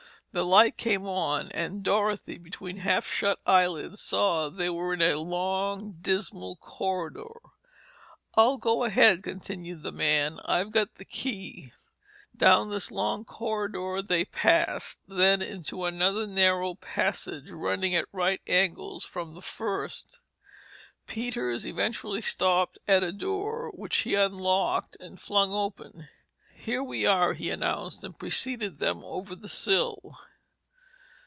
The light came on and Dorothy, between half shut eyelids saw that they were in a long, dismal corridor. "I'll go ahead," continued the man, "I've got the key." Down this long corridor they passed, then into another narrow passage running at right angles from the first. Peters eventually stopped at a door which he unlocked and flung open. "Here we are," he announced and preceded them over the sill.